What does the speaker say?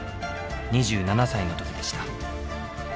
２７歳の時でした。